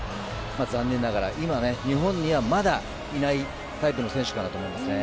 残念ながら今、日本にはまだいないタイプの選手かなと思いますね。